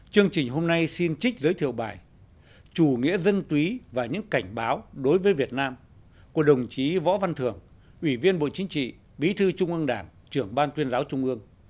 chương trình hôm nay xin trích giới thiệu bài chủ nghĩa dân túy và những cảnh báo đối với việt nam của đồng chí võ văn thường ủy viên bộ chính trị bí thư trung ương đảng trưởng ban tuyên giáo trung ương